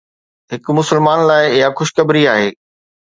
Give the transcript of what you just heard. هڪ مسلمان لاءِ اها خوشخبري آهي.